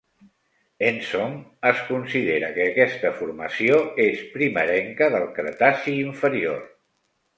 Ensom, es considera que aquesta formació és primerenca del Cretaci inferior.